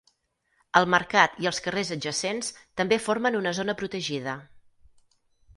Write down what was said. El mercat i els carrers adjacents també formen una zona protegida.